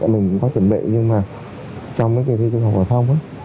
mình có chuẩn bị nhưng mà trong cái kế thi trung học hòa thông